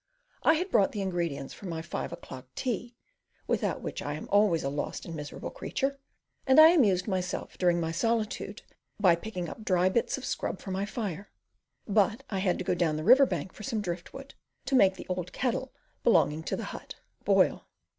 I had brought the ingredients for my five o'clock tea (without which I am always a lost and miserable creature), and I amused myself, during my solitude, by picking up dry bits of scrub for my fire; but I had to go down the river bank for some driftwood to make the old kettle, belonging to the hut, boil.